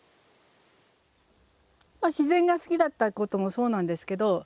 自然が好きだったこともそうなんですけど。